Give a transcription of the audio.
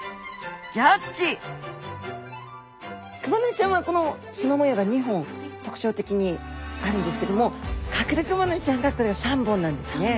スタジオクマノミちゃんはこのしま模様が２本特徴的にあるんですけどもカクレクマノミちゃんがこれが３本なんですね。